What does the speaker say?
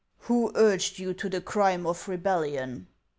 " Who urged you to the crime of rebellion